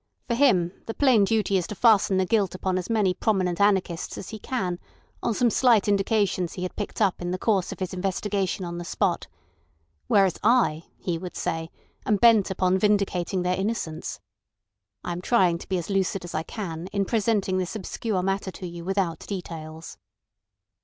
For him the plain duty is to fasten the guilt upon as many prominent anarchists as he can on some slight indications he had picked up in the course of his investigation on the spot; whereas I, he would say, am bent upon vindicating their innocence. I am trying to be as lucid as I can in presenting this obscure matter to you without details."